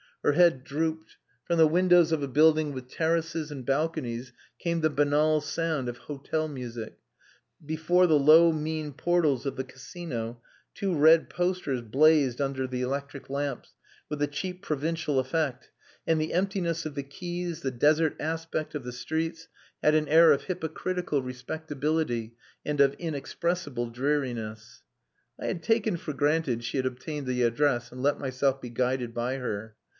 Her head drooped; from the windows of a building with terraces and balconies came the banal sound of hotel music; before the low mean portals of the Casino two red posters blazed under the electric lamps, with a cheap provincial effect. and the emptiness of the quays, the desert aspect of the streets, had an air of hypocritical respectability and of inexpressible dreariness. I had taken for granted she had obtained the address, and let myself be guided by her.